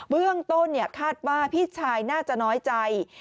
เบื้องต้นคาดว่าพี่ชายน่าจะน้อยใจ